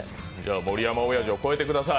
盛山おやじを超えてください。